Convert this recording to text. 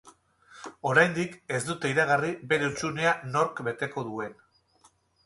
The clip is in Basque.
Oraindik ez dute iragarri bere hutsunea nork beteko duen.